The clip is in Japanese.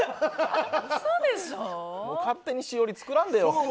勝手にしおり作らんでよ。